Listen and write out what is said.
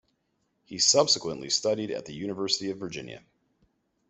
He subsequently studied at the University of Virginia.